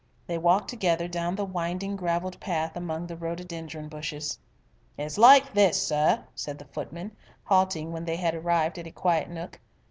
They walked together down the winding gravelled path among the rhododendron bushes. "It's like this, sir," said the footman, halting when they had arrived at a quiet nook.